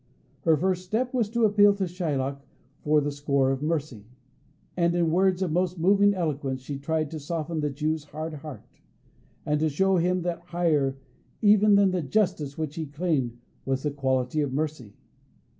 Her first step was to appeal to Shylock on the score of mercy, and in words of the most moving eloquence she tried to soften the Jew's hard heart, and to show him that higher even than the Justice which he claimed was the quality of Mercy.